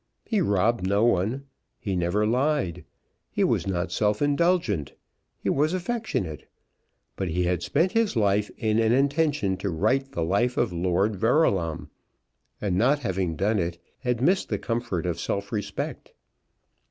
He robbed no one. He never lied. He was not self indulgent. He was affectionate. But he had spent his life in an intention to write the life of Lord Verulam, and not having done it, had missed the comfort of self respect.